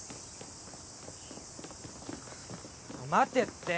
待てって。